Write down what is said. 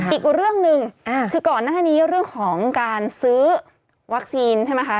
อีกเรื่องหนึ่งคือก่อนหน้านี้เรื่องของการซื้อวัคซีนใช่ไหมคะ